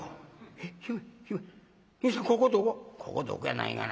「『ここどこ？』やないがな。